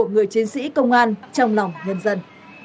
người chiến sĩ công an trong lòng nhân dân